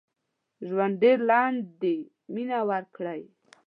ژوند ډېر لنډ دي مينه وکړئ